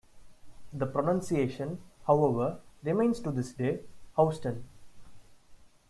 The pronunciation, however, remains to this day "howston.